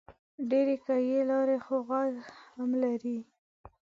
ډېرې کږې لارې خو غر هم لري